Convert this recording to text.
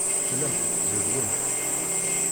Tellamt tzerrwemt.